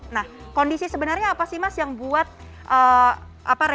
nah kondisi sebenarnya apa sih mas yang buat revisi undang undang rce